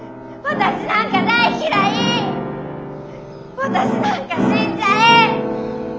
私なんか死んじゃえ！